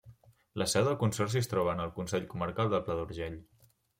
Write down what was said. La seu del consorci es troba en el Consell Comarcal del Pla d'Urgell.